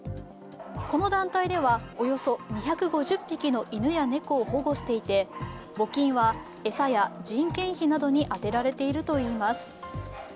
この団体では、およそ２５０匹の犬や猫を保護していて募金は餌や人件費などに充てられているといいます。